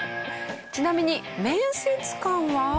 ちなみに面接官は。